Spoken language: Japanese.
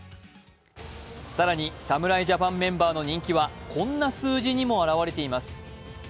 更に侍ジャパンメンバーの人気はこんな数字にも表れています。